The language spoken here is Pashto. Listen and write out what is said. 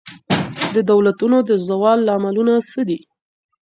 د دولتونو د زوال لاملونه څه دي؟